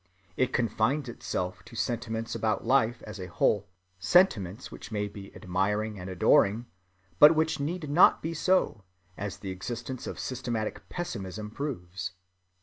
It confines itself to sentiments about life as a whole, sentiments which may be admiring and adoring, but which need not be so, as the existence of systematic pessimism proves.